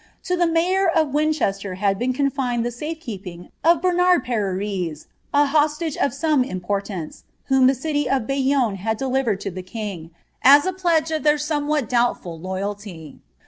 To the mayor of Win chester had been confided the safe keeping of Bernard Pereres ; a hostage of some importance, whom the city of Bayonne had delivered to the king, as a pledge of their somewhat doubtful loyalty.